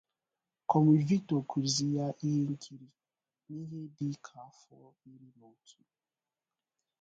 Comrade Victor kụziiri ya ihe nkiri n'ihe dị ka afọ iri na otu.